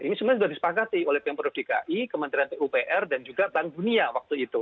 ini sebenarnya sudah disepakati oleh pemprov dki kementerian pupr dan juga bank dunia waktu itu